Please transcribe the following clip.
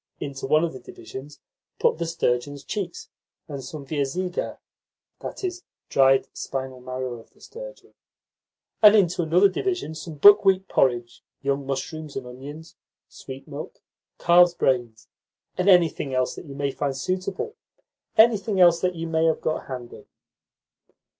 Into one of the divisions put the sturgeon's cheeks and some viaziga , and into another division some buckwheat porridge, young mushrooms and onions, sweet milk, calves' brains, and anything else that you may find suitable anything else that you may have got handy.